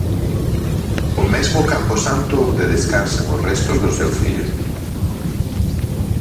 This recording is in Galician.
O mesmo camposanto onde descansan os restos do seu fillo.